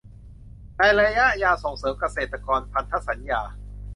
ในระยะยาวส่งเสริมเกษตรพันธสัญญา